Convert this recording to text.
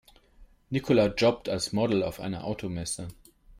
Nicola jobbt als Model auf einer Automesse.